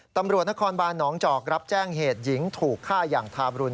ตำรวจนครบานหนองจอกรับแจ้งเหตุหญิงถูกฆ่าอย่างทาบรุณ